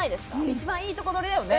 一番いいとこ取りだよね。